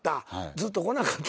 ずっと来なかった。